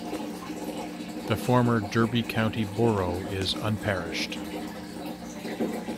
The former Derby County Borough is unparished.